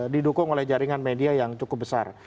didukung oleh jaringan media yang cukup besar